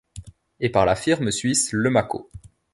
Et par la firme suisse Lemaco.